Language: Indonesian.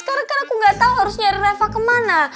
karena kan aku gak tau harus nyari reva kemana